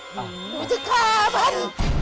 หนูจะฆ่าฟัน